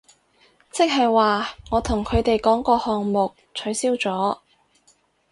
即係話我同佢哋講個項目取消咗